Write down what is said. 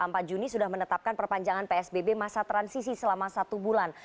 empat juni sudah menetapkan perpanjangan psbb masa transisi selama satu bulan